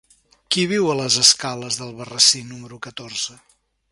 Qui viu a les escales d'Albarrasí número catorze?